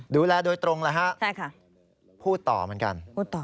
ดูแลโดยตรงแล้วฮะพูดต่อเหมือนกัน